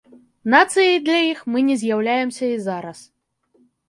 Нацыяй для іх мы не з'яўляемся і зараз.